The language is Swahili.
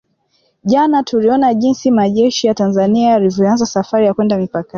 Jana tuliona jinsi majeshi ya Tanzania yalivyoanza safari ya kwenda mpakani